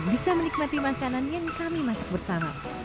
bisa menikmati makanan yang kami masak bersama